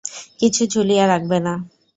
কিছু ঝুলিয়ে রাখবে না।